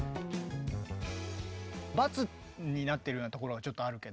「×」になっているようなところがちょっとあるけど。